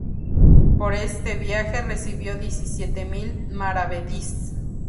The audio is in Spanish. Por este viaje recibió diecisiete mil maravedís.